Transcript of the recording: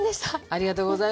ありがとうございます。